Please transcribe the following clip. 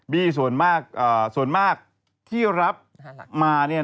ส่วนมากที่รับมา